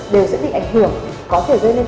đều sẽ bị ảnh hưởng có thể gây nên